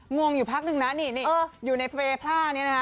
งวงอยู่พักนึงนะนี่อยู่ในเฟรภาพนี้นะ